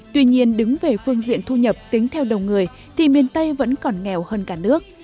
tuy nhiên đứng về phương diện thu nhập tính theo đầu người thì miền tây vẫn còn nghèo hơn cả nước